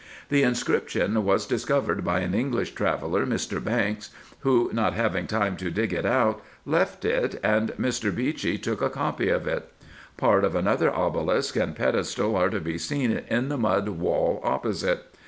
The inscription was discovered by an English traveller, Mr. Banks, who, not having time to dig it out, left it, and Mr. Eeechey took a copy of it. Part of another obelisk and pedestal are to be seen in the mud wall opposite.